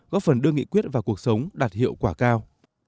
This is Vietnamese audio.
góp phần đưa nghị quyết vào cuộc sống đạt hiệu quả cao